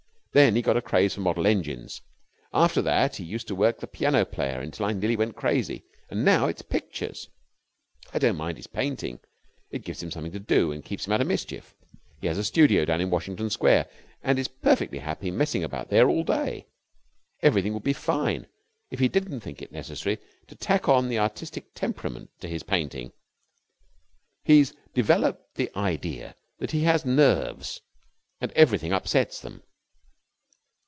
Then he got a craze for model engines. After that he used to work the piano player till I nearly went crazy. And now it's pictures. I don't mind his painting. It gives him something to do and keeps him out of mischief. He has a studio down in Washington Square, and is perfectly happy messing about there all day. Everything would be fine if he didn't think it necessary to tack on the artistic temperament to his painting. He's developed the idea that he has nerves and everything upsets them.